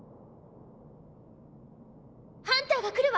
ハンターが来るわ。